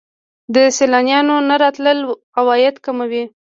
د سیلانیانو نه راتلل عواید کموي.